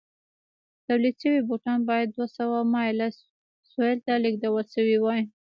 تولید شوي بوټان باید دوه سوه مایل سویل ته لېږدول شوي وای.